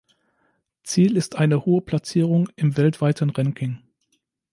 Ziel ist eine hohe Platzierung im weltweiten Ranking.